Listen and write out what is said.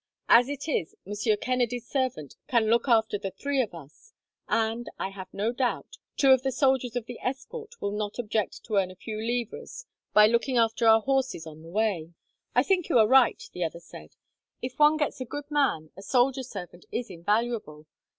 As it is, Monsieur Kennedy's servant can look after the three of us, and, I have no doubt, two of the soldiers of the escort will not object to earn a few livres by looking after our horses on the way." "I think you are right," the other said. "If one gets a good man, a soldier servant is invaluable.